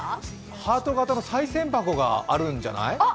ハート形のさい銭箱があるんじゃない？